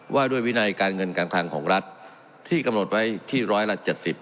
ว่าด้วยวินัยการเงินการคลังของรัฐที่กำหนดไว้ที่ร้อยละ๗๐